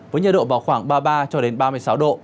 với nhật độ vào khoảng ba mươi ba ba mươi sáu độ